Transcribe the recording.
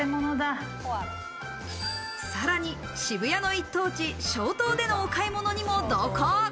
さらに渋谷の一等地、松濤でのお買い物にも同行。